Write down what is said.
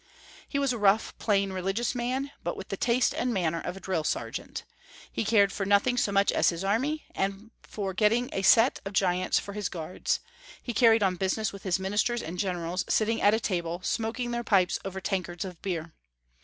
He was a rough, plain, religious man, but with the taste and manner of a drill sergeant. He cared for nothing so much as his army, and for getting a set of giants for his guards; he carried on business with his ministers and generals sitting at 388 Young Folks'' History of Germany, a table, smoking their pipes over tankards of beer.